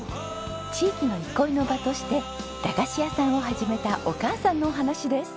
地域の憩いの場として駄菓子屋さんを始めたお母さんのお話です。